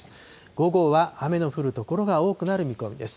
午後は雨の降る所が多くなる見込みです。